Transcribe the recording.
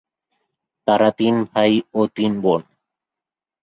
তারা তিন ভাই ও তিন বোন।